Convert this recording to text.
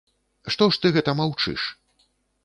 Што ж ты гэта маўчыш?